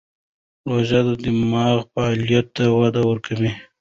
روژه د دماغ فعالیت ته وده ورکوي.